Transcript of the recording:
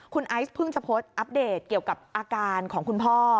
คุณไอซ์เพิ่งจะโพสต์อัปเดตเกี่ยวกับอาการของคุณพ่อ